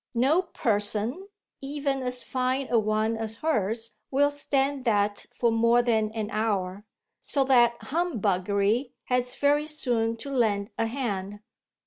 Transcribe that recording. No 'person,' even as fine a one as hers, will stand that for more than an hour, so that humbuggery has very soon to lend a hand.